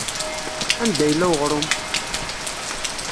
Anda yella weɣṛum?